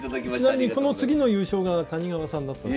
ちなみにこの次の優勝が谷川さんだった。